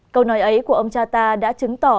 câu nói ấy của ông cha ta đã chứng tỏ